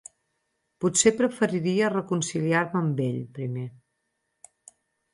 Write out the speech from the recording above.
Potser preferiria reconciliar-me amb ell, primer.